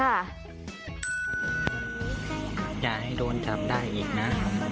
อย่าให้โดนจับได้อีกนะ